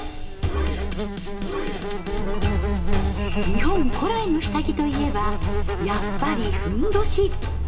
日本古来の下着といえばやっぱり褌。